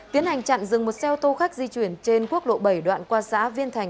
tiến hành chặn dừng một xe ô tô khách di chuyển trên quốc lộ bảy đoạn qua xã viên thành